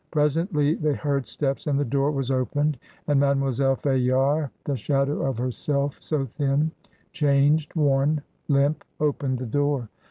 Presently they heard steps, and the door was opened, and Mademoiselle Fayard, the shadow of herself, so thin, changed, worn, limp, opened the door.